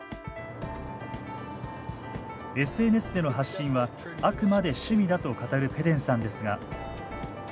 ＳＮＳでの発信はあくまで趣味だと語るペデンさんですが。